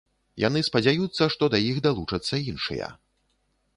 Яны спадзяюцца, што да іх далучацца іншыя.